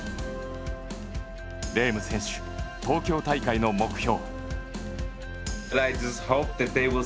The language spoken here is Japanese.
レーム選手、東京大会の目標。